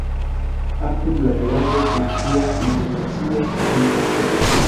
Apud la vilaĝo funkcias internacia limpasejo.